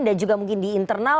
dan juga mungkin di internal